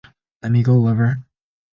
Let Me Go, Lover!